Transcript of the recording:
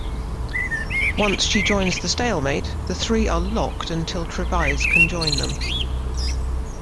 Once she joins the stalemate, the three are locked until Trevize can join them.